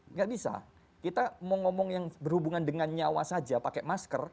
nggak bisa kita mau ngomong yang berhubungan dengan nyawa saja pakai masker